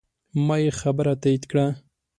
ما یې خبره تایید کړه.